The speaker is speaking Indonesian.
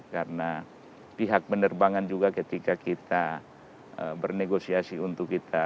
karena pihak penerbangan juga ketika kita bernegosiasi untuk kita